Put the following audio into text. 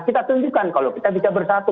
kita tunjukkan kalau kita bisa bersatu